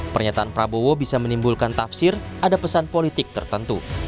pernyataan prabowo bisa menimbulkan tafsir ada pesan politik tertentu